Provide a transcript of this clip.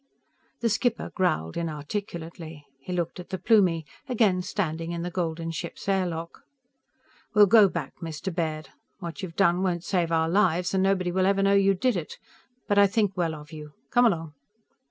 The skipper growled inarticulately. He looked at the Plumie, again standing in the golden ship's air lock. "_We'll go back, Mr. Baird. What you've done won't save our lives, and nobody will ever know you did it. But I think well of you. Come along!